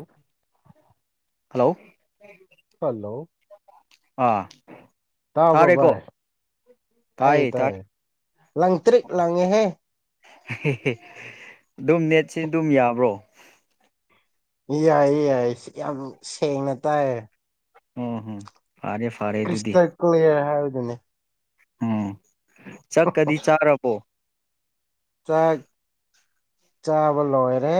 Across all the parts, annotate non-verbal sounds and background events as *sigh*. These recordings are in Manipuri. ꯑꯣ ꯍꯜꯂꯣ ꯍꯜꯂꯣ ꯊꯥꯔꯦꯀꯣ ꯇꯥꯏ ꯇ ꯂꯪꯇ꯭ꯔꯤꯛ ꯂꯪꯉꯦꯍꯦ ꯑꯗꯨꯝ ꯅꯦꯠꯁꯤ ꯑꯗꯨꯝ ꯌꯥꯕ꯭ꯔꯣ ꯌꯥꯏꯌꯦ ꯌꯥꯏ ꯌꯥꯝ ꯁꯦꯡꯅ ꯇꯥꯏ ꯑꯣꯝ ꯍꯝ ꯀ꯭ꯔꯤꯁꯇꯔ ꯀ꯭ꯂꯤꯌꯥꯔ ꯍꯥꯏꯗꯅꯦ ꯎꯝ ꯆꯠꯀꯗꯤ ꯆꯥꯔꯕꯣ ꯆꯥꯛ ꯆꯥꯕ ꯂꯣꯏꯔꯦ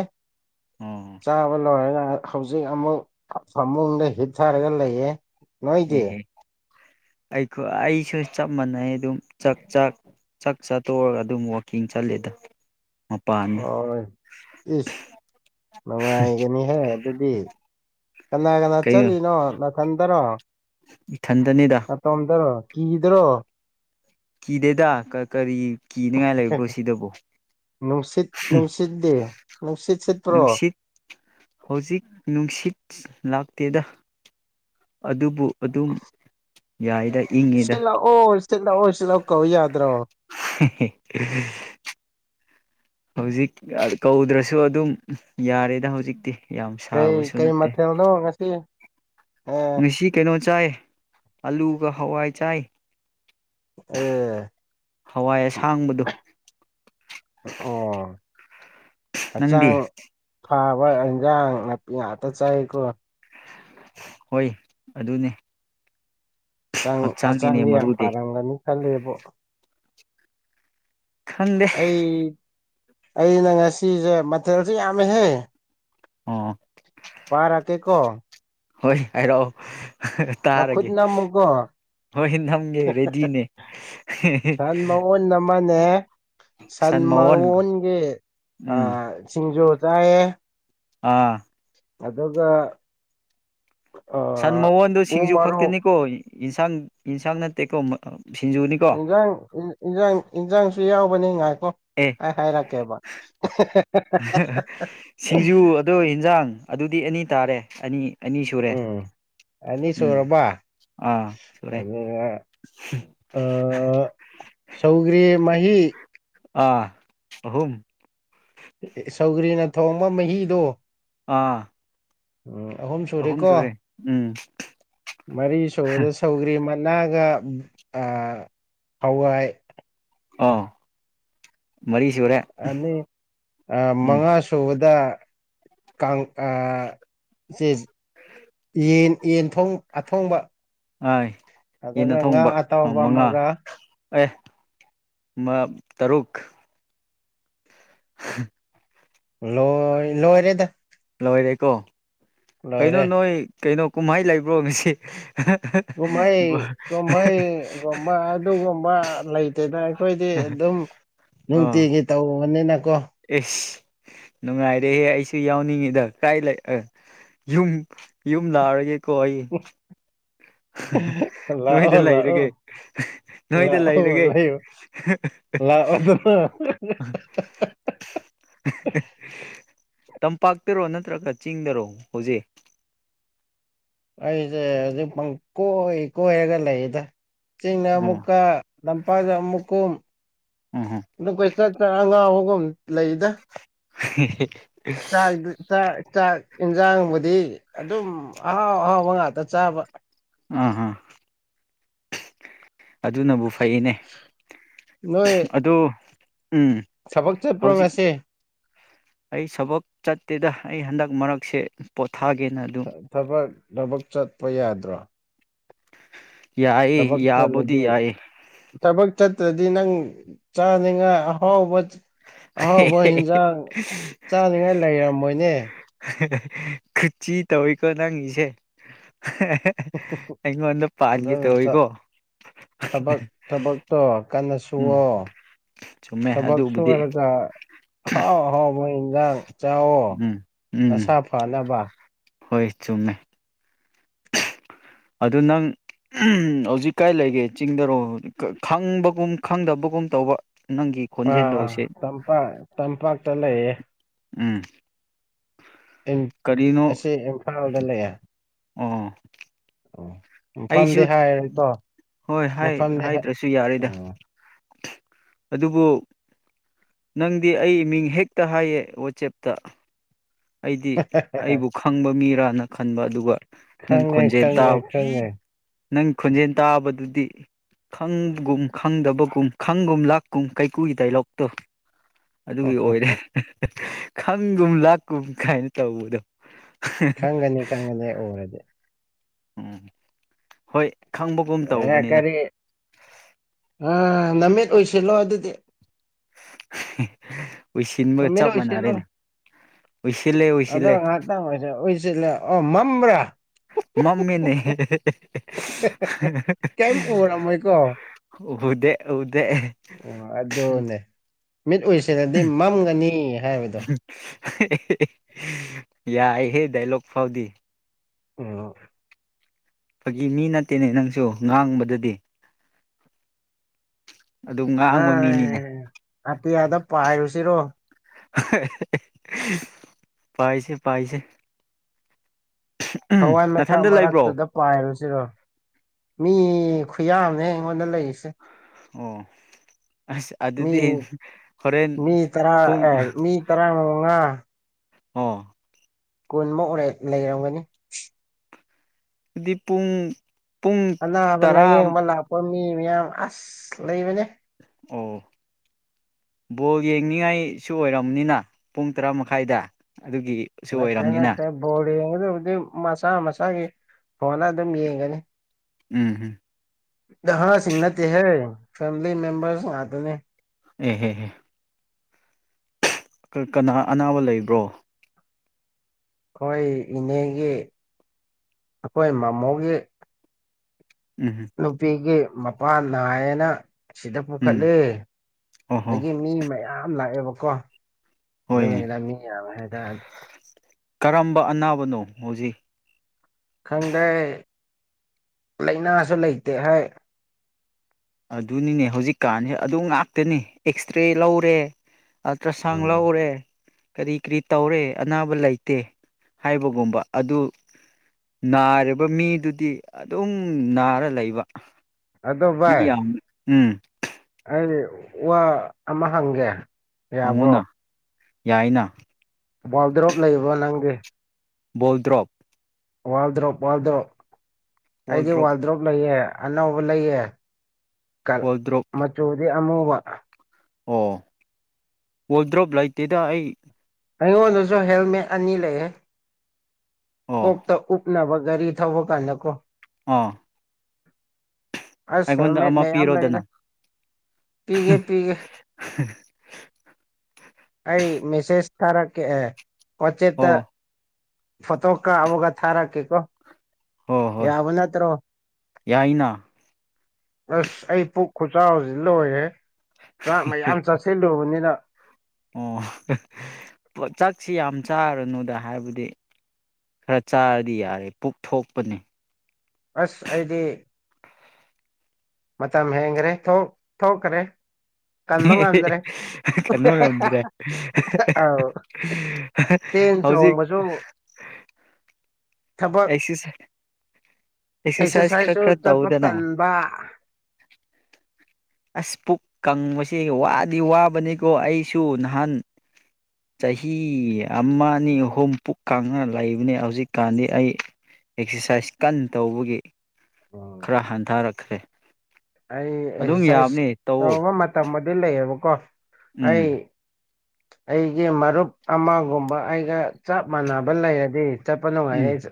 ꯎꯝ ꯆꯥꯕ ꯂꯣꯏꯔꯦ ꯍꯧꯖꯤꯛ ꯑꯃꯨꯛ ꯐꯃꯨꯡꯗ ꯍꯤꯠ ꯊꯥꯔꯒ ꯂꯩꯌꯦ ꯅꯣꯏꯗꯤ *inaudible* ꯑꯩ ꯑꯩꯁꯨ ꯆꯞ ꯃꯥꯟꯅꯩ ꯑꯗꯨꯝ ꯆꯥꯛ ꯆꯥꯛ ꯆꯥꯛ ꯆꯠꯇꯣꯛꯔꯒ ꯑꯗꯨꯝ ꯋꯥꯛꯀꯤꯡ ꯆꯠ ꯗ ꯍ ꯏꯁ ꯅꯨꯡꯉꯥꯏꯒꯅꯤꯍꯦ ꯑꯗꯨꯗꯤ ꯀꯅꯥ ꯀꯅꯥ ꯀꯩꯅꯣ ꯆꯠꯂꯤꯅꯣ ꯅꯥꯊꯟꯗꯅꯣ ꯏꯊꯟꯗꯅꯤꯗ ꯑ ꯇꯣꯝꯗꯔꯣ ꯀꯗ꯭ꯔꯣ ꯀꯤꯗꯦꯗ ꯀꯔꯤ ꯀꯤꯅꯤꯉꯥꯏ ꯂꯩꯕ꯭ꯔꯣ ꯁꯤꯗꯕꯣ ꯅꯨꯡꯁꯤꯠ ꯅꯨꯡꯁꯤꯠꯗꯤ ꯅꯨꯡꯁꯤꯠ ꯁꯤꯠꯄ꯭ꯔꯣ ꯅꯨꯡꯁꯤꯠ ꯍꯧꯖꯤꯛ ꯅꯨꯡꯁꯤꯠ ꯑꯁ ꯂꯥꯛꯇꯦꯗ ꯑꯗꯨꯕꯨ ꯑꯗꯨꯝ ꯌꯥꯏ ꯁꯤꯜ ꯂꯥꯛꯑꯣ ꯁꯤꯜ ꯂꯥꯛꯑꯣ ꯁꯤꯜꯂꯥꯛꯑꯣ ꯀꯧ ꯌꯥꯗ꯭ꯔꯣ *inaudible* ꯍꯧꯖꯤꯛ ꯀꯧꯗ꯭ꯔꯁꯨ ꯑꯗꯨꯝ ꯌꯥꯔꯦꯗ ꯍꯧꯖꯤꯛꯇꯤ ꯌꯥꯝ ꯀꯩ ꯁꯥꯕꯁꯨ ꯀꯩ ꯅꯠꯇꯦ ꯃꯊꯦꯜꯅꯣ ꯉꯁꯤ ꯑꯦ ꯉꯁꯤ ꯀꯩꯅꯣ ꯆꯥꯏ ꯑꯂꯨꯒ ꯍꯋꯥꯏ ꯆꯥꯏ ꯑꯦ ꯍꯋꯥꯏ ꯑꯁꯥꯡꯕꯗꯣ ꯑꯣ ꯅꯪꯗꯤ ꯐꯥꯕ ꯏꯟꯖꯥꯡ ꯅꯥꯄꯤ ꯉꯥꯛꯇ ꯆꯥꯏꯀꯣ ꯍꯣꯏ ꯑꯗꯨꯅꯦ ꯍꯛꯆꯥꯡꯅꯤꯅꯦ ꯍꯛꯆꯥꯡꯗꯤ ꯌꯥꯝ ꯃꯔꯨꯗꯤ ꯐꯥꯔꯝꯒꯅꯤ ꯈꯜꯂꯦꯕ ꯈꯪꯗꯦ ꯑꯩ ꯑꯩꯅ ꯉꯁꯤꯁꯦ ꯃꯊꯦꯜꯁꯨꯦ ꯌꯥꯝꯃꯦꯍꯦ ꯑꯣ ꯄꯥꯔꯀꯦ ꯀꯣ ꯍꯣꯏ ꯍꯥꯏꯔꯛꯑꯣ ꯅꯈꯨꯠ ꯇꯥꯔꯒꯦ ꯅꯝꯃꯨꯀꯣ ꯍꯣꯏ ꯅꯝꯒꯦ ꯔꯦꯗꯤꯅꯦ ꯁꯟ ꯃꯎꯟ ꯑꯃꯅꯦ ꯁꯟ ꯃꯣꯟꯒꯤ ꯎꯝ ꯁꯤꯡꯖꯨ ꯌꯥꯌꯦꯦ ꯑꯥ ꯑꯗꯒ ꯁꯟ ꯃꯋꯣꯟꯗ ꯁꯤꯡꯖꯨ ꯈꯛꯇꯅꯤꯀꯣ ꯌꯦꯟꯁꯥꯡ ꯌꯦꯟꯁꯥꯡ ꯅꯠꯇꯦꯀꯣ ꯁꯤꯡꯖꯨꯅꯤꯀꯣ ꯏꯟꯖꯥꯡ ꯏꯟꯖꯥꯡ ꯏꯟꯖꯥꯡꯁꯨ ꯌꯥꯎꯕꯅꯤ ꯉꯥꯏꯀꯣ ꯑꯦ ꯑꯩ ꯍꯥꯏꯔꯛꯀꯦꯕ ꯁꯤꯡꯖꯨ ꯑꯗꯣ ꯌꯦꯟꯖꯥꯡ ꯑꯗꯨꯗꯤ ꯑꯅꯤ ꯇꯥꯔꯦ ꯑꯅꯤ ꯑꯅꯤ ꯁꯨꯔꯦ ꯎꯝ ꯑꯅꯤ ꯎꯝ ꯁꯨꯔꯕ ꯑꯥ ꯁꯨꯔꯦ ꯑꯗꯨꯒꯅ ꯑ ꯁꯧꯒ꯭ꯃꯍꯤ ꯑꯥ ꯑꯍꯨꯝꯨꯝ ꯁꯧꯒ꯭ꯔꯤꯅ ꯊꯣꯡꯕ ꯃꯍꯤꯗꯣ ꯑꯥ ꯎꯝ ꯑꯍꯨꯝ ꯁꯔꯤꯦꯀꯣ ꯁꯨꯔꯦ ꯎꯝ ꯃꯔꯤ ꯁꯨꯕꯗ ꯁꯧꯈ꯭ꯔꯤ ꯃꯥ ꯅꯥꯒꯥ ꯍꯋꯥꯏ ꯑꯥ ꯃꯔꯤ ꯁꯨꯔꯦ ꯑꯅꯤ ꯎꯝ ꯃꯉꯥ ꯁꯨꯕꯗ ꯀꯥꯡ ꯁꯦ ꯌꯦꯟ ꯌꯦꯟ ꯑꯊꯣꯡꯕ ꯑ ꯌꯦꯟꯅ ꯑꯗꯨꯒ ꯉꯥ ꯊꯣꯡꯕ ꯑ ꯑꯇꯥꯎꯕ ꯃꯉꯥ ꯑꯃꯒ ꯑꯦ ꯇꯔꯨꯛ ꯂ ꯂꯣꯏꯔꯦꯗ ꯑꯣꯏꯣꯏꯔꯦꯀꯣ ꯀꯩꯅꯣ ꯂꯣꯏꯔꯦ ꯅꯣꯏ ꯀꯩꯅꯣ ꯀꯨꯝꯍꯥꯏ ꯂꯩꯕ꯭ꯔꯣ ꯉꯁꯤ ꯀꯨꯝꯍꯩ ꯀꯨꯝꯍꯩꯒꯨꯝꯕ ꯑꯗꯨꯒꯨꯝꯕ ꯂꯩꯇꯦꯗ ꯑꯩꯈꯣꯏꯗꯤ ꯇꯒꯤꯦ ꯇꯥꯎ ꯑꯦ ꯅꯨꯡꯉꯥꯏꯔꯦꯍꯦ ꯑꯩꯁꯨ ꯌꯥꯎꯅꯤꯡꯉꯤꯗ ꯀꯗꯥꯥꯏ ꯂꯩ ꯌꯨꯝ ꯌꯨꯝ ꯂꯥꯛꯔꯒ ꯀ ꯅꯣꯏꯗ ꯂꯥꯛꯑꯣ ꯂꯥꯛꯑꯣ ꯂꯩꯔꯒꯦ ꯅꯣꯏꯗ ꯂꯩꯔꯒꯦ ꯂꯥꯛꯑꯣꯗ *inaudible* ꯇꯝꯄꯥꯛꯇꯔꯣ ꯅꯠꯇ꯭ꯔꯒ ꯆꯤꯡꯗꯔꯣ ꯍꯧꯖꯤꯛ ꯑꯩꯁꯦ ꯍꯧ ꯄꯪꯀꯣꯏ ꯀꯔꯒ ꯂꯩꯗ ꯆꯤꯡꯅ ꯑꯣ ꯑꯃꯨꯛꯀ ꯂꯝꯄꯥꯛꯗ ꯑꯃꯨꯛꯀꯨꯝ ꯎꯝ ꯎꯝ ꯑꯗꯨ ꯀꯣꯏ ꯆ ꯑꯉꯥ ꯑꯒꯨꯝ ꯂꯩꯗ ꯍ ꯆꯥꯛꯥꯛ ꯆꯥꯛ ꯌꯦꯟꯁꯥꯡꯕꯨꯗꯤ ꯑꯗꯨꯝ ꯑꯍꯥꯎ ꯑꯍꯥꯎꯕ ꯉꯥꯛꯇ ꯇ ꯆꯕ ꯑ ꯍ ꯑꯗꯨꯅꯕꯨ ꯐꯩꯅꯦ ꯑꯗꯨ ꯎꯝ ꯁꯕꯛ ꯍꯧꯖꯤꯛ ꯆꯠꯄ꯭ꯔꯣꯝꯁꯦ ꯑꯩ ꯁꯕꯛ ꯆꯠꯇꯦꯗ ꯑꯩ ꯍꯟꯗꯛ ꯃꯔꯛꯁꯦꯣ ꯊꯕꯛ ꯊꯕꯛ ꯆꯠꯄ ꯌꯥꯗ꯭ꯔꯣ ꯌꯥꯏ ꯊꯕꯛ ꯌꯥꯕꯨꯗꯤ ꯆꯠꯂꯗꯤ ꯌꯥꯏ ꯊꯕꯛ ꯆꯠꯇ꯭ꯔꯗꯤ ꯅꯪ ꯆꯥꯅꯤꯡꯉꯥꯏ ꯑꯍꯥꯎꯕ ꯑꯍꯥꯎ ꯕꯣꯏ ꯍꯟꯁꯥꯡ ꯆꯥꯅꯤꯡꯉꯥꯏ ꯂꯩꯔꯝꯃꯣꯏꯅꯦ ꯀꯨꯆꯤ ꯇꯧꯋꯤꯀꯣ ꯅꯪꯉꯁꯦ ꯑꯩꯉꯣꯟꯗ ꯄꯥꯟꯒꯦ ꯑꯗꯨꯅ ꯇꯧꯋꯀꯣ ꯊ- ꯊꯕꯛ ꯊꯕꯛꯇꯣ ꯀꯟꯅ ꯎꯝ ꯁꯨꯋꯣ ꯆꯨꯝꯃꯦ ꯊꯕꯛ ꯑꯗꯨꯕꯨꯗꯤ ꯁꯔꯒ ꯍꯥꯎ ꯍꯥꯎ ꯃꯣꯏ ꯏꯖꯥꯡ ꯆꯣ ꯎꯝ ꯎꯝ ꯃꯁꯥ ꯐꯅꯕ ꯍꯣꯏ ꯆꯨꯝꯃꯦ ꯑꯗꯨ ꯅꯪ ꯍꯧꯖꯤꯛ ꯀꯥꯏ ꯂꯩꯒꯦ ꯆꯤꯡꯗꯔꯣ ꯈꯪꯕꯒꯨꯝ ꯈꯪꯗꯕꯒꯨꯝ ꯇꯧꯕ ꯅꯪꯒꯤ ꯑꯥ ꯈꯣꯟꯖꯦꯜꯗꯧꯁꯦ ꯇꯄꯥꯛ ꯇꯝꯄꯥꯛꯇ ꯂꯩꯌꯦ ꯎꯝ ꯑꯁꯤ ꯏꯝꯐꯥꯜꯗ ꯂꯩꯦ ꯑ ꯑꯩꯁꯨ ꯃꯐꯝꯗꯤ ꯍꯥꯏꯔꯣꯏꯀꯣ ꯍꯣꯏ ꯃꯐꯝꯗꯤ ꯍꯥꯏꯗ꯭ꯔꯁꯨ ꯌꯥꯔꯦꯗ ꯎꯝ ꯑꯗꯨꯕꯨ ꯅꯪꯗꯤ ꯑꯩ ꯃꯤꯡ ꯍꯦꯛꯇ ꯍꯥꯏꯌꯦ ꯋꯥꯆꯦꯞꯇ ꯑꯩꯗꯤ ꯑꯩꯕꯨ ꯈꯪꯕ ꯃꯤꯔꯅ ꯈꯟꯕ ꯑꯗꯨꯒ ꯅꯪ ꯈꯪꯉꯦ ꯈꯣꯟꯖꯦꯜ ꯈꯪꯉꯦ ꯇꯥꯕ ꯈꯪꯉꯦ ꯅꯪ ꯈꯣꯟꯖꯦꯜ ꯇꯥꯕꯗꯨꯗꯤ ꯈꯪꯕꯒꯨꯝ ꯈꯪꯗꯕꯒꯨꯝ ꯈꯪꯒꯨꯝ ꯂꯥꯛꯀꯨꯝ ꯀꯩꯀꯨꯒꯤ ꯗꯥꯏꯂꯣꯛꯇꯣ ꯑꯗꯨꯒꯤ ꯑꯣꯏꯔꯦ ꯈꯪꯒꯨꯝ ꯂꯥꯛꯀꯨꯝ ꯀꯥꯏꯅ ꯇꯧꯕꯗꯣ ꯈꯪꯒꯅꯤ ꯈꯪꯒꯅꯤ ꯑꯣꯏꯔꯗꯤ ꯎꯝ ꯍꯣꯏ ꯈꯪꯕꯒꯨꯝ ꯑꯦ ꯇꯧꯕꯅꯤꯗ ꯀꯔꯤ ꯅꯃꯤꯠ ꯑꯣꯏꯁꯤꯜꯂꯣ ꯑꯗꯨꯗꯤ *inaudible* ꯎꯏꯁꯤꯟꯕꯒ ꯅꯃꯤꯠ ꯆꯞ ꯎꯏꯁꯤꯜꯂꯣ ꯃꯥꯟꯅꯔꯦꯅꯦ ꯎꯏꯁꯤꯜꯂꯦ ꯑꯗꯣ ꯎꯏꯁꯤꯜꯂꯦ ꯉꯥꯏꯍꯥꯛꯇꯪ ꯑꯣꯏꯁꯨ ꯎꯏꯁꯤꯜꯂꯦ ꯑꯣ ꯃꯝ꯭ꯔꯥ ꯃꯝꯃꯤꯅꯤ ꯀꯩꯝ ꯎꯔꯝꯃꯣꯏꯀꯣ ꯍꯗꯦ ꯑꯣ ꯑꯗꯨꯅꯦ ꯍꯗꯦ ꯃꯤꯠ ꯎꯁꯤꯂꯗꯤ ꯃꯝꯒꯅꯤ ꯍꯥꯏꯕꯗꯣ ꯌꯥꯏꯍꯦ ꯗꯥꯏꯂꯣꯛ ꯐꯥꯎꯗꯤ ꯑꯣ ꯐꯥꯒꯤ ꯃꯤ ꯅꯠꯇꯦꯅꯦ ꯅꯪꯁꯨ ꯉꯥꯡꯕꯗꯗꯤ ꯑꯗꯨꯝ ꯑ ꯉꯥꯡꯕ ꯃꯤꯅꯤꯅꯦ ꯍꯥꯠꯇ ꯌꯥꯗ ꯄꯥꯏꯔꯨꯁꯤꯔꯣ ꯄꯥꯏꯁ ꯄꯥꯏꯁ ꯊꯋꯥꯏ ꯃꯆꯥꯛ ꯂꯩꯕ꯭ꯔꯣ ꯃꯔꯛꯇꯨꯗ ꯄꯥꯏꯔꯨꯁꯤꯔꯣ ꯃꯤ ꯈꯨꯌꯥꯅꯦ ꯑꯩꯉꯣꯟꯗ ꯂꯩꯔꯤꯁꯦ ꯑꯣ ꯑꯁ ꯃꯤ ꯑꯗꯨꯗꯤ ꯍꯣꯔꯦꯟ ꯃꯤ ꯇꯔꯥ ꯄꯨꯡ ꯑꯦ ꯃꯤ ꯇꯔꯥꯃꯉꯥ ꯑ ꯀꯨꯟꯃꯔꯦ ꯂꯩꯔꯝꯒꯅꯤ ꯗꯤ ꯄꯨꯡ ꯄꯨꯡ ꯑꯅꯥꯕ ꯇꯔꯥ ꯂꯥꯏꯌꯦꯡꯕ ꯂꯥꯛꯄ ꯃꯤ ꯃꯌꯥꯝ ꯑꯁ ꯂꯩꯕꯅꯦ ꯑꯣ ꯕꯣꯜ ꯌꯦꯡꯅꯤꯡꯉꯥꯏꯁꯨ ꯑꯣꯏꯔꯕꯅꯤꯅ ꯄꯨꯡ ꯇꯔꯥ ꯃꯈꯥꯏꯗ ꯑꯗꯨꯒꯤꯁꯨ ꯑꯣꯏꯔꯕꯝꯅꯤꯅ ꯦꯡꯗꯕꯨꯗꯤ ꯃꯁꯥ ꯃꯁꯥꯒꯤ ꯐꯣꯟꯗ ꯑꯗꯨꯝ ꯌꯦꯡꯒꯅꯤ ꯎꯝ ꯎꯝ ꯍꯥ ꯁꯤꯁꯤꯡꯅꯠꯇ ꯍ ꯐꯦꯃꯤꯂꯤ ꯃꯦꯝꯕꯔꯁ ꯉꯥꯛꯇꯅꯤ ꯎ ꯍ ꯀꯅꯥ ꯑꯅꯥꯕ ꯂꯩꯕ꯭ꯔꯣ ꯑꯩꯈꯣꯏ ꯏꯅꯦꯒꯤ ꯑꯩꯈꯣꯏ ꯃꯃꯣꯒꯤ ꯎꯝ ꯅꯨꯄꯤꯒꯤ ꯃꯄꯥꯥꯟ ꯅꯥꯑꯅ ꯑꯁꯤꯗ ꯎꯝ ꯄꯨꯈꯠꯂꯦ ꯑꯣꯍꯣ ꯑꯗꯒꯤ ꯃꯤ ꯃꯌꯥꯝ ꯂꯥꯛꯑꯦꯕꯀꯣ ꯃꯤ ꯍꯣꯏꯅꯦ ꯂꯝꯃꯤ ꯌꯥ ꯍꯥꯏꯦ ꯇ ꯀꯔꯝꯕ ꯑꯅꯥꯕꯅꯣ ꯍꯧꯖꯤꯛ ꯈꯪꯗꯦ ꯂꯥꯏꯅꯥꯁꯨ ꯂꯩꯇꯦ ꯍꯥꯏ ꯑꯗꯨꯅꯤꯅꯦ ꯍꯧꯖꯤꯛꯀꯥꯟꯁꯦ ꯑꯗꯨ ꯉꯥꯛꯇꯅꯤ ꯑꯦꯛꯁꯔꯦ ꯂꯧꯔꯦ ꯑ꯭ꯔ ꯎꯝ ꯆꯥꯡꯒꯂ ꯎꯔꯦ ꯀꯔꯤ ꯀꯔꯤ ꯇꯧꯔꯦ ꯑꯅꯥꯕ ꯂꯩꯇꯦ ꯍꯥꯏꯕꯒꯨꯝꯕ ꯑꯗꯨ ꯅꯥꯔꯤꯕ ꯃꯤꯗꯨꯗꯤ ꯑꯗꯨꯝ ꯅꯥꯔ ꯂꯩꯕ ꯑꯗꯣ ꯃꯤ ꯚꯥꯏ ꯌꯥꯝ ꯎꯝ ꯑꯩ ꯋꯥ ꯑꯃ ꯍꯪꯒꯦ ꯌꯥꯕ꯭ꯔꯣ ꯍꯪꯉꯨꯅ ꯌꯥꯏꯅ ꯋꯥꯔꯜꯗ꯭ꯔꯣꯞ ꯂꯩꯕꯣ ꯅꯪꯒꯤ ꯣꯜ ꯗ꯭ꯔꯞ ꯋꯥꯜꯗ꯭ꯔꯣꯞ ꯋꯥꯜꯗ꯭ꯔꯣꯞ ꯑꯩꯗꯤ ꯋꯥꯜꯗ꯭ꯔꯣꯞ ꯂꯩꯑ ꯑꯅꯧꯕ ꯂꯩꯑ ꯀꯜ ꯋꯥꯜꯗ꯭ꯔꯣꯞ ꯃꯆꯨꯗꯤ ꯑꯃꯨꯕ ꯑꯣ ꯋꯥꯜ ꯗ꯭ꯔꯣꯞ ꯂꯩꯇꯦꯗ ꯑꯩ ꯑꯩꯉꯣꯟꯗꯁꯨ ꯍꯦꯜꯃꯦꯠ ꯑꯅꯤ ꯂꯩꯌꯦ ꯑꯣ ꯀꯇ ꯎꯅꯕꯒꯔ ꯊꯕꯣ ꯀꯥꯟ ꯅꯀꯣ ꯑ ꯑꯁ ꯍꯦꯜꯃꯦꯠ ꯃꯌꯥꯝ ꯂꯩꯗ ꯄꯤꯔꯣꯗꯅ ꯄꯤꯒꯦ ꯄꯤꯒꯦ ꯑꯩ ꯃꯦꯁꯦꯖ ꯈꯔ ꯀ ꯀꯆꯦꯠꯇ ꯑꯣ ꯐꯇꯣ ꯀꯥꯕꯒ ꯊꯥꯔꯥ ꯀꯦꯀꯣ ꯍꯣꯏ ꯍꯣꯏ ꯌꯥꯕ ꯅꯠꯇ꯭ꯔꯣ ꯌꯥꯏꯅ ꯑꯁ ꯑꯩ ꯄꯨꯛ ꯈꯨꯆꯖꯤ ꯂꯣꯏꯔꯦ ꯆꯥꯛ ꯃꯌꯥꯝ ꯆꯥꯁꯤꯜꯂꯨꯕꯅꯤꯅ ꯑꯣ ꯆꯥꯛꯁꯤ ꯌꯥꯝ ꯆꯥꯔꯅꯨꯗ ꯍꯥꯏꯕꯗꯤ ꯈꯔ ꯆꯥꯔꯗꯤ ꯌꯥꯔꯦ ꯄꯨꯛ ꯊꯣꯛꯄꯅꯤ ꯑꯁ ꯑꯩꯗꯤ ꯃꯝ ꯍꯦꯡ ꯔꯦ ꯊꯣ ꯊꯣꯈ꯭ꯔꯦ ꯀꯟꯅꯣ ꯉꯝꯗ꯭ꯔꯦ ꯆꯕꯁꯨꯣ ꯎ ꯑꯦꯁꯤ ꯁ ꯑꯦꯛꯁꯔꯁꯥꯏꯁ ꯈꯔ ꯑꯦꯛꯁꯔꯁꯥꯏꯁꯁꯨ ꯈꯔ ꯆꯠꯄ ꯇꯧꯗꯅ ꯇꯟꯕ ꯑꯁ ꯄꯨꯛ ꯀꯪꯕꯁꯦ ꯋꯥꯗꯤ ꯋꯥꯕꯅꯤꯀꯣ ꯑꯩꯁꯨ ꯅꯍꯥꯟ ꯆꯍꯤ ꯑꯃ ꯑꯅꯤ ꯑꯍꯨꯝ ꯄꯨꯛ ꯀꯥꯡꯅ ꯂꯩꯕꯅꯤ ꯍꯧꯖꯤꯛꯀꯥꯟꯗꯤ ꯑꯩ ꯑꯦꯛꯁꯔꯁꯥꯏꯁ ꯀꯟ ꯇꯧꯕꯒꯤ ꯈꯔ ꯍꯟꯊꯔꯛꯈ꯭ꯔꯦ ꯑꯩ ꯑꯗꯨꯝ ꯑꯦꯛꯁꯔꯁꯥꯏꯁ ꯌꯥꯕꯅꯦ ꯇꯧꯑꯣ ꯇꯧꯕ ꯃꯇꯝꯕꯨꯗꯤ ꯂꯩꯌꯦꯕꯀꯣ ꯑꯩ ꯎꯝ ꯑꯩꯒꯤ ꯃꯔꯨꯞ ꯑꯃꯒꯨꯝꯕ ꯑꯩꯒ ꯆꯞ ꯃꯥꯟꯅꯕ ꯂꯩꯔꯗꯤ ꯆꯠꯄ ꯅꯨꯡꯉꯥꯏ ꯎꯝ ꯑꯩꯁꯨ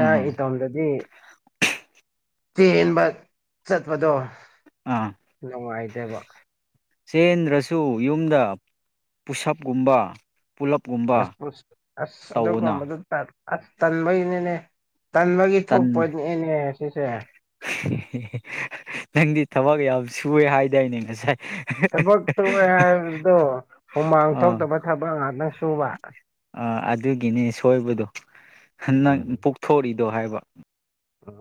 ꯎꯝ ꯏꯇꯣꯝꯗꯗꯤ ꯇꯦꯟꯕ ꯆꯠꯄꯗꯣ ꯑ ꯅꯨꯡꯉꯥꯏꯇꯕ ꯆꯦꯟꯗ꯭ꯔꯁꯨ ꯌꯨꯝꯗ ꯄꯨꯁꯞꯀꯨꯝꯕ ꯄꯨꯂꯞꯀꯨꯝꯕ ꯑꯁ ꯑꯁ ꯑꯗꯨꯒ ꯇꯧꯅ ꯀꯝꯕꯗ ꯑꯁ ꯇꯟꯕꯩꯅꯤꯅꯦ ꯇꯟꯕꯒꯤ ꯇꯟ ꯊꯣꯛꯄꯅꯦꯅꯦ ꯁꯤꯁꯦ ꯅꯪꯗꯤ ꯊꯕꯛ ꯌꯥꯝ ꯁꯨꯑꯦ ꯍꯥꯏꯗꯥꯏꯅꯦ ꯉꯁꯥꯏ ꯊꯕꯛ ꯁꯨꯨꯔꯦ ꯍꯥꯏꯕꯗꯣ ꯍꯨꯃꯥꯡ ꯑꯥ ꯊꯣꯛꯇꯕ ꯊꯕꯛ ꯉꯥꯛꯇꯪ ꯁꯨꯕ ꯑꯗꯨꯒꯤꯅꯦ ꯁꯣꯏꯕꯗꯣ ꯍꯟꯗꯪ ꯄꯨꯛꯊꯣꯛꯔꯤꯗꯣ ꯍꯥꯏꯕ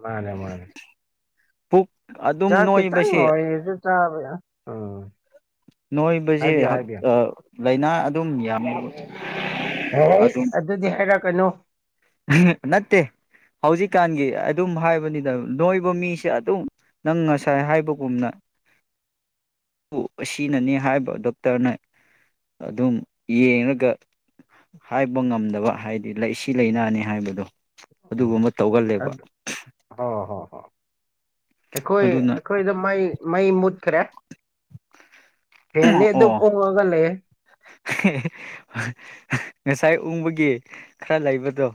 ꯃꯥꯟꯅꯦ ꯃꯥꯟꯅꯦ ꯄꯨꯛ ꯆꯥ ꯑꯗꯨꯝ ꯈꯤꯇꯪ ꯅꯣꯏꯕꯁꯦ ꯑꯣꯏꯁꯨ ꯆꯥꯕꯩ ꯑꯁ ꯎꯝ ꯅꯣꯏꯕꯁꯦ ꯍꯥꯏꯕꯤꯌꯨ ꯍꯛ ꯍꯥꯏꯕꯤꯌꯨ ꯑ ꯂꯥꯏꯅꯥ ꯑꯗꯨꯝ ꯌꯥꯝꯃꯦ ꯍꯩꯠ ꯑꯗꯨꯗꯤ ꯍꯥꯏꯔꯛꯀꯅꯨ ꯅꯠꯇꯦ ꯍꯧꯖꯤꯛꯀꯥꯟꯒꯤ ꯑꯗꯨꯝ ꯍꯥꯏꯕꯅꯤꯗ ꯅꯣꯏꯕ ꯃꯤꯁꯦ ꯑꯗꯨꯝ ꯅꯪ ꯉꯁꯥꯏ ꯍꯥꯏꯕꯒꯨꯝꯅ ꯑꯗꯨꯕꯨ ꯑꯁꯤꯅꯅꯤ ꯍꯥꯏꯕ ꯗꯣꯛꯇꯔꯅ ꯑꯗꯨꯝ ꯌꯦꯡꯉꯒ ꯍꯥꯏꯕ ꯉꯝꯗꯕ ꯍꯥꯏꯗꯤ ꯂꯩꯁꯤꯡ ꯂꯥꯏꯅꯥꯅꯤ ꯍꯥꯏꯕꯗꯣ ꯎꯝ ꯑꯗꯨꯒꯨꯝꯕ ꯇꯧꯒꯜꯂꯦꯕ ꯑꯗꯨ ꯍꯣ ꯍꯣ ꯍꯣ ꯑꯩꯈꯣꯏ ꯑꯗꯨꯅ ꯑꯩꯈꯣꯏꯗ ꯃꯩ ꯃꯩ ꯃꯨꯠꯈ꯭ꯔꯦ ꯐꯦꯟꯗꯤ ꯑꯣ ꯑꯗꯨꯝ ꯑꯣꯡꯉꯒ ꯂꯩꯌꯦ ꯉꯁꯥꯏ ꯎꯪꯕꯒꯤ ꯈꯔ ꯂꯩꯕꯗꯣ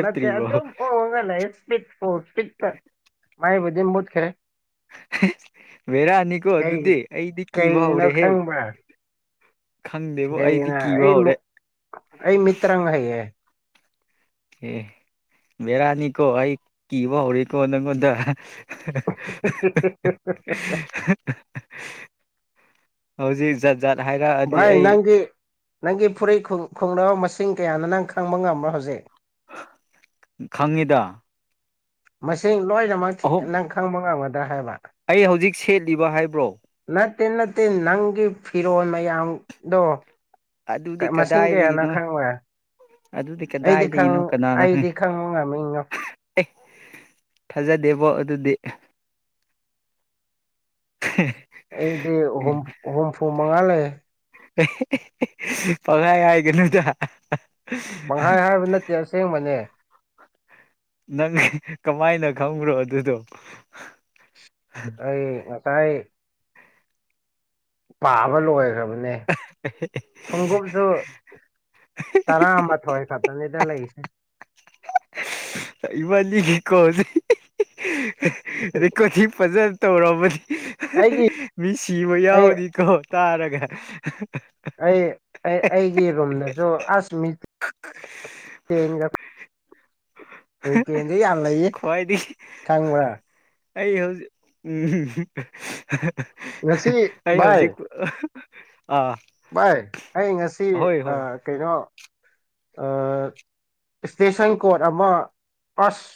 ꯅꯠꯇꯦ ꯑꯗꯨꯝ ꯎꯪꯑꯒ ꯂꯩꯌꯦ ꯁ꯭ꯄꯤꯗ ꯐꯨꯜ ꯁ꯭ꯄꯤꯗꯇ ꯃꯩꯕꯨꯗꯤ ꯃꯨꯠ ꯈ꯭ꯔꯦ ꯕꯦꯔꯥꯅꯤꯀꯣ ꯀꯩ ꯑꯗꯨꯗꯤ ꯑꯩꯗꯤ ꯀꯤꯕ ꯀꯩꯒꯤꯅꯣ ꯍꯧꯔꯦꯍꯦꯛ ꯈꯪꯕ꯭ꯔꯥ ꯀꯩꯒꯤꯅꯣ ꯑꯩ ꯑꯩ ꯃꯤꯇ꯭ꯔꯪ ꯍꯩꯌꯦ ꯑꯦ ꯕꯦꯔꯥꯅꯤꯀꯣ ꯑꯩ ꯀꯤꯕ ꯍꯧꯔꯦꯀꯣ ꯅꯪꯉꯣꯟꯗ *inaudible* ꯍꯧꯖꯤꯛ ꯖꯥꯠ ꯍꯥꯏꯔꯛꯑꯗꯤ ꯚꯥꯏ ꯑꯩ ꯅꯪꯒꯤ ꯅꯪꯒꯤ ꯐꯨꯔꯤꯠ ꯈꯨꯡꯒ꯭ꯔꯥꯎ ꯃꯁꯤꯡ ꯀꯌꯥꯅꯣ ꯅꯪ ꯈꯪꯕ ꯉꯝꯕ꯭ꯔꯣ ꯍꯧꯖꯤꯛ ꯈꯪꯉꯤꯗ ꯃꯁꯤꯡ ꯂꯣꯏꯅꯃꯛ ꯑꯍꯨꯝ ꯅꯪ ꯈꯪꯕ ꯉꯝꯒꯗ꯭ꯔꯥ ꯍꯥꯏꯕ ꯑꯩ ꯍꯧꯖꯤꯛ ꯁꯦꯠꯂꯤꯕ ꯍꯥꯏꯕ꯭ꯔꯣ ꯅꯠꯇꯦ ꯅꯠꯇꯦ ꯅꯪꯒꯤ ꯐꯤꯔꯣꯜ ꯃꯌꯥꯝꯗꯣ ꯑꯗꯨꯗꯤ ꯃꯁꯤꯡ ꯀꯌꯥꯅꯣ ꯀꯗꯥꯏꯗꯒꯤꯅꯣ ꯈꯪꯕ꯭ꯔꯥ ꯑꯗꯨꯗꯤ ꯑꯩꯗꯤ ꯈꯪ ꯀꯗꯥꯏꯗꯒꯤꯅꯣ ꯀꯅꯥꯅ ꯈꯪ ꯑꯩꯗꯤ ꯈꯪꯕ ꯉꯝꯃꯤꯉꯣ ꯑꯦ ꯊꯥꯖꯗꯦꯕꯣ ꯑꯗꯨꯗꯤ ꯑꯩꯗꯤ ꯍꯨꯝ ꯍꯨꯝꯐꯨꯝ ꯃꯉꯥꯂꯩ ꯄꯪ ꯍꯥꯏ ꯍꯥꯏꯒꯅꯨꯗ ꯄꯪꯍꯥꯏ ꯍꯥꯏꯕ ꯅꯠꯇꯦ ꯑꯁꯦꯡꯕꯅꯦ ꯅꯪ ꯀꯃꯥꯏꯅ ꯈꯪꯕ꯭ꯔꯣ ꯑꯗꯨꯗꯣ ꯑꯩ ꯉꯁꯥꯏ ꯄꯥꯕ ꯂꯣꯏꯈ꯭ꯔꯕꯅꯤ ꯈꯨꯡꯎꯞꯁꯨ ꯇꯔꯥꯃꯊꯣꯏ ꯈꯛ ꯅꯤꯗꯅ ꯂꯩꯁ ꯏꯕꯥꯅꯤꯒꯤ ꯀꯣꯜꯁꯦ ꯔꯦꯀꯣꯔꯗꯇꯤ ꯐꯖꯅ ꯇꯧꯔꯝꯃꯗꯤ ꯑꯩꯒꯤ ꯃꯤ ꯁꯤꯕ ꯑꯩ ꯌꯥꯎꯗꯤꯀꯣ ꯇꯥꯔꯒ ꯑꯩ ꯑꯩ ꯑꯩꯒꯤ ꯔꯨꯝꯗꯁꯨ ꯑꯁ ꯃꯤꯠ *unintelligible* *unintelligible* ꯗꯤ ꯌꯥꯝ ꯂꯩ ꯈ꯭ꯋꯥꯏꯗꯒꯤ ꯈꯪꯕ꯭ꯔꯥ ꯑꯩ ꯍꯧꯖꯤꯛ ꯎꯝ ꯉꯁꯤ ꯑꯩ ꯚꯥꯏ ꯍꯧꯖꯤꯛ ꯑꯥ ꯚꯥꯏ ꯑꯩ ꯉꯁꯤ ꯍꯣꯏ ꯍꯣꯏ ꯑ ꯀꯩꯅꯣ ꯏꯁꯇꯦꯁꯟ ꯀꯣꯔꯠ ꯑꯃ ꯑꯁ